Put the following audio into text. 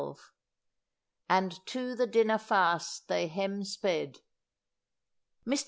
' AND TO THE DINNER FASTE THEY HEM SPEDDE.' Mr.